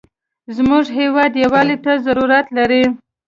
زموږ هېواد یوالي ته ضرورت لري.